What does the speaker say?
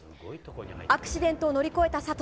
アクシデントを乗り越えた佐藤。